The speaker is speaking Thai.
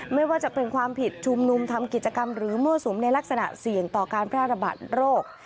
ไม่ว่าจะเป็นความผิดชุมนุมทำกิจกรรมหรือมั่วสุมในลักษณะเสี่ยงต่อการแพร่ระบาดโรค